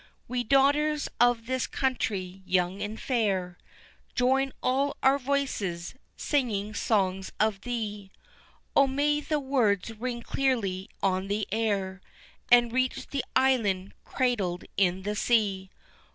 We daughters of this country young and fair Join all our voices, singing songs of thee, O may the words ring clearly on the air, And reach the island cradled in the sea.